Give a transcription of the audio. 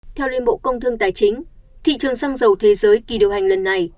theo liên bộ công thương tài chính thị trường xăng dầu thế giới kỳ điều hành lần này